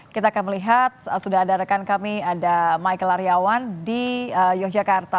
kita akan melihat sudah ada rekan kami ada michael lariawan di yogyakarta